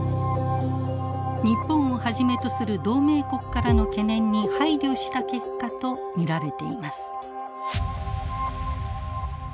日本をはじめとする同盟国からの懸念に配慮した結果と見られています。